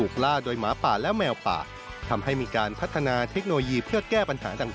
ขอบคุณครับ